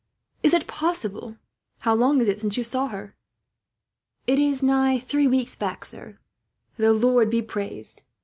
Is it possible, sir? How long is it since you saw her?" "It is nigh three weeks back, sir." "The Lord be praised!"